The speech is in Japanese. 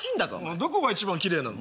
どこが一番きれいなの？